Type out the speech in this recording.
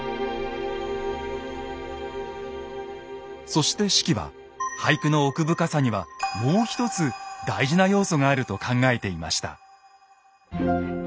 そして子規は俳句の奥深さにはもうひとつ大事な要素があると考えていました。